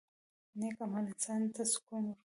• نیک عمل انسان ته سکون ورکوي.